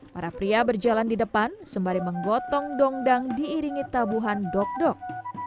para pria berjalan di depan sembari menggotong dongdang diiringi tabuhan dok dok